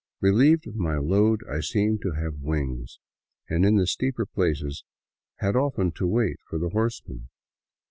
Relieved of my load I seemed to have wings, and in the steeper places had often to wait for the horseman.